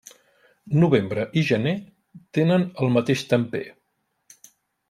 Novembre i gener tenen el mateix temper.